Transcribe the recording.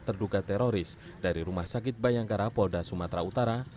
terduga teroris dari rumah sakit bayangkara polda sumatera utara